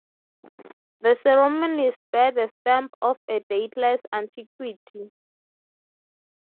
The ceremonies bear the stamp of a dateless antiquity.